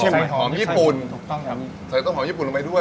ใส่ต้นหอมญี่ปุ่นลงไปด้วย